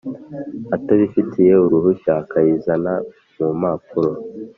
atabifitiye uruhushya akayizana mumapuro